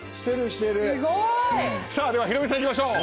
すごい！ではヒロミさんいきましょう。